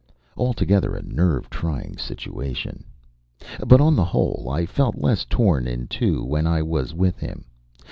Altogether a nerve trying situation. But on the whole I felt less torn in two when I was with him.